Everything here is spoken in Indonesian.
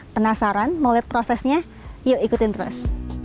penasaran mau lihat prosesnya yuk ikutin terus